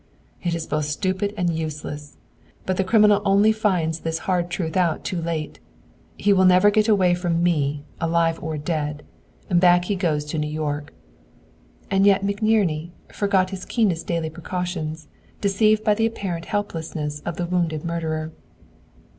It is both stupid and useless. But the criminal only finds this hard truth out too late. He will never get away from me, alive or dead; back he goes to New York." And yet McNerney forgot his keenest daily precautions, deceived by the apparent helplessness of the wounded murderer.